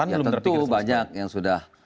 ya tentu banyak yang sudah